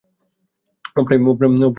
ও প্রায় মরেই গিয়েছিল।